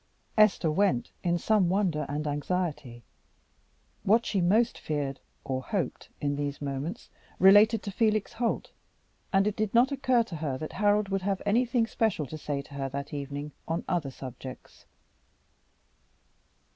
Esther went, in some wonder and anxiety. What she most feared or hoped in these moments related to Felix Holt, and it did not occur to her that Harold could have anything special to say to her that evening on other subjects.